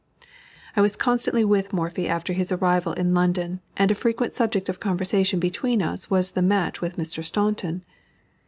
I was constantly with Morphy after his arrival in London, and a frequent subject of conversation between us was the match with Mr. Staunton.